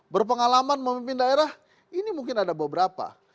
berpengalaman memimpin daerah ini mungkin ada beberapa